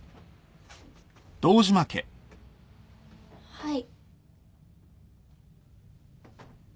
はい。